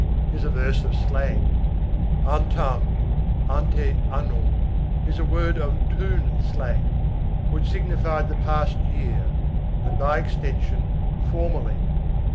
is a verse of slang. Antan—ante annum—is a word of Thunes slang, which signified the past year, and by extension, formerly.